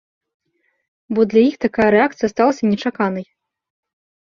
Бо для іх такая рэакцыя сталася нечаканай.